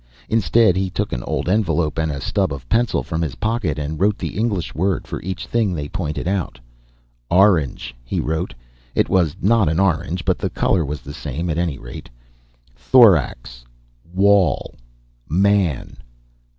Instead, he took an old envelope and a stub of pencil from his pocket and wrote the English word for each thing they pointed out. "ORANGE," he wrote it was not an orange, but the color was the same, at any rate "THORAX. WALL. MAN.